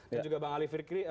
dan juga bang ali fikri